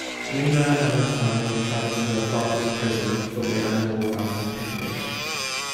Rena and her family travel to the father's prison for the annual family picnic.